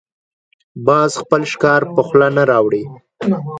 باز خپل ښکار په خوله نه راوړي